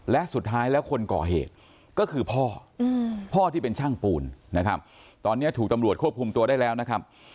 และสุดท้ายแล้วคนก่อเหตุก็คือพ่อพ่อที่เป็นช่างปูนนะครับตอนนี้ถูกตำรวจควบคุมตัวได้แล้วนะครับ